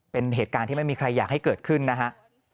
เป็นเหตุการณ์ที่ไม่มีใครอยากให้เกิดขึ้นนะฮะ